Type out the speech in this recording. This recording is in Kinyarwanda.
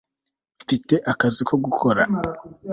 mfite akazi ko gukora